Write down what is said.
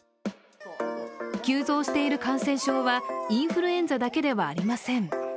急増している感染症はインフルエンザだけではありません。